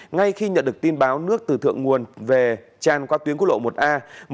ngay khi nhận được tin báo nước từ thượng nguồn về tràn qua tuyến quốc lộ một a